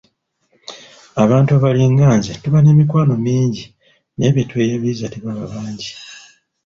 Abantu abalinga nze tuba n'emikwano mingi naye betweyabiza tebaba bangi.